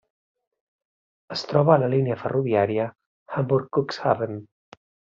Es troba a la línia ferroviària Hamburg-Cuxhaven.